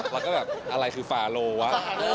แล้วก็แบบอะไรคือฟาโลวะ